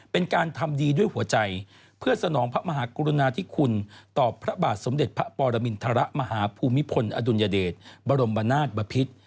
เป็นการทำดีด้วยหัวใจเพื่อสนองพระมหากรุณาธิคุณต่อพระบาทสมเด็จพระปรมินทรมาฮภูมิพลอดุลยเดชบรมนาศบพิษ